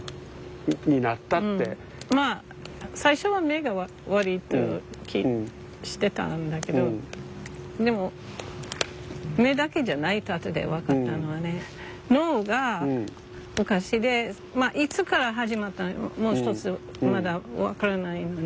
まあ最初は目が悪いと知ってたんだけどでも目だけじゃないとあとで分かったのはね脳がおかしい。でまあいつから始まったのかもうひとつまだ分からないのね。